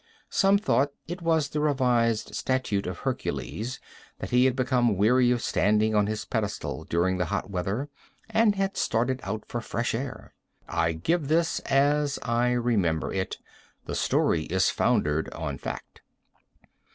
Some thought it was the revised statute of Hercules; that he had become weary of standing on his pedestal during the hot weather, and had started out for fresh air. I give this as I remember it. The story is foundered on fact.